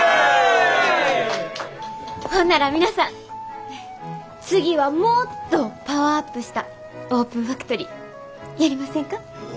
ほんなら皆さん次はもっとパワーアップしたオープンファクトリーやりませんか？